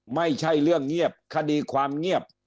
ไม่ใช่เรื่องเงียบคดีความเงียบ